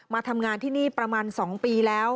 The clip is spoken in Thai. มาทำงานที่นี่ประมาณ๒ปีแล้ว